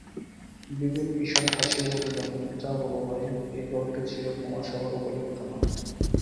বিপিন ঈষৎ হাসিয়া বলিল, যা বল ভাই, এ ঘরটি চিরকুমার-সভার উপযুক্ত নয়।